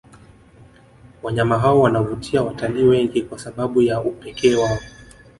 Wanyama hao wanawavutia watalii wengi kwa sababu ya upekee wao